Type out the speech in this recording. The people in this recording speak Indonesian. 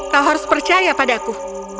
kau harus percaya padaku